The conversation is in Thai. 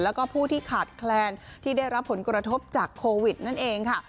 แล้วก็ผู้ที่ขาดแคลนที่ได้รับผลกระทบจากโควิดนั่นเองค่ะ